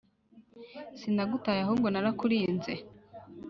sinagutaye ahubwo narakurinze